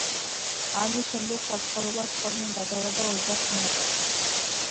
ამის შემდეგ საცხოვრებლად სხვაგან გადავა და ოჯახს მიატოვებს.